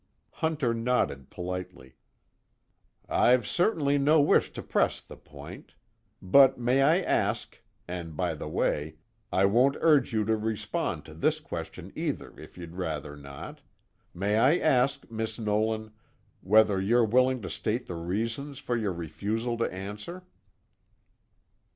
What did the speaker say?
Hunter nodded politely. "I've certainly no wish to press the point. But may I ask and by the way, I won't urge you to respond to this question either if you'd rather not may I ask, Miss Nolan, whether you're willing to state the reasons for your refusal to answer?"